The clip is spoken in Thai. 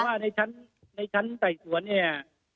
ว่าในชั้นไต่สวนเนี่ย